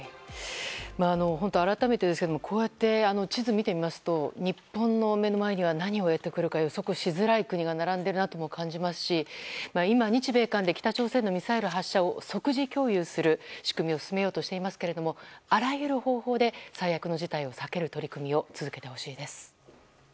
本当に改めてですがこうやって地図を見てみますと日本の目の前には何をやってくるか予測しづらい国が並んでるなとも感じますし今日米韓で北朝鮮のミサイル発射を即時共有する仕組みを進めようとしていますがあらゆる方法で最悪の事態を避ける取り組みを続けてほしいです。